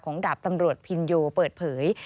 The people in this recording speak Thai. ดาบตำรวจพินโยเปิดเผย